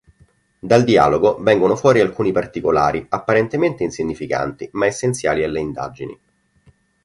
Dal dialogo vengono fuori alcuni particolari apparentemente insignificanti ma essenziali alle indagini.